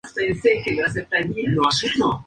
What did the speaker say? Tenía muchos problemas con los sastres.